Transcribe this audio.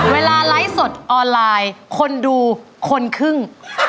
เวลาไลฟ์สดออนไลน์คนดูคนครึ่ง